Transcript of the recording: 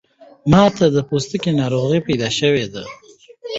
ماته د پوستکی ناروغۍ پیدا شوی ده